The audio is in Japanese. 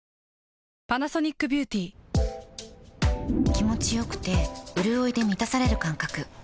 気持ちよくてうるおいで満たされる感覚